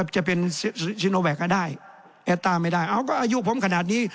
จะเป็นได้ไม่ได้อ้าวก็อายุผมขนาดนี้